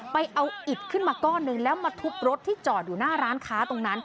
ไปเอาอิดขึ้นมาก้อนหนึ่งแล้วมาทุบรถที่จอดอยู่หน้าร้านค้าตรงนั้น